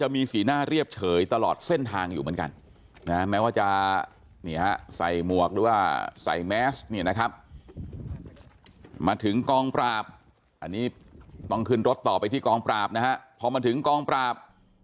มีสีหน้าเรียบเฉยตลอดเส้นทางอยู่เหมือนกันนะแม้ว่าจะใส่หมวกหรือว่าใส่แมสเนี่ยนะครับมาถึงกองปราบอันนี้ต้องขึ้นรถต่อไปที่กองปราบนะฮะพอมาถึงกองปราบ